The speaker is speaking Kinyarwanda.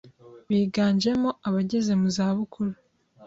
biganjemo abageze mu za bukuru